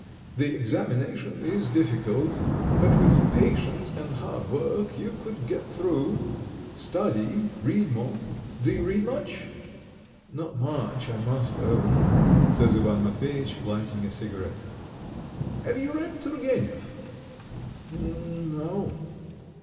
The examination is difficult, but with patience and hard work you could get through. Study, read more. ... Do you read much?" "Not much, I must own ..." says Ivan Matveyitch, lighting a cigarette. "Have you read Turgenev?" "N no.